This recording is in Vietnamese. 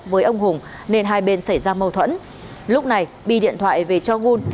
với ông hùng nên hai bên xảy ra mâu thuẫn lúc này bi điện thoại về cho vun